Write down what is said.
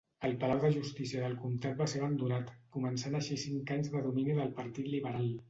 El palau de justícia del comtat va ser abandonat, començant així cinc anys de domini del Partit Liberal.